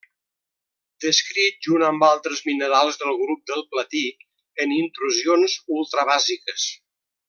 Descrit junt amb altres minerals del grup del platí en intrusions ultrabàsiques.